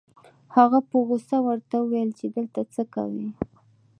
هغه په غصه ورته وويل چې دلته څه کوې؟